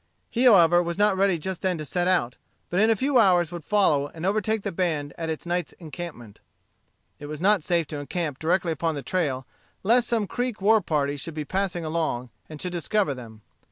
He however was not ready just then to set out, but in a few hours would follow and overtake the band at its night's encampment. It was not safe to encamp directly upon the trail, lest some Creek war party should be passing along, and should discover them.